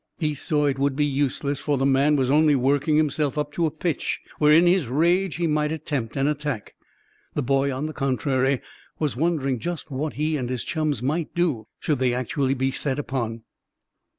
He saw it would be useless, for the man was only working himself up to a pitch where in his rage he might attempt an attack. The boy, on the contrary, was wondering just what he and his chums might do, should they be actually set upon.